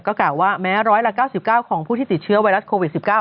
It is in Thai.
ก็กล่าวว่าแม้๑๙๙ของผู้ที่ติดเชื้อไวรัสโควิด๑๙